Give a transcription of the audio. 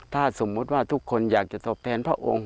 ถ้าสมมุติว่าทุกคนอยากจะตอบแทนพระองค์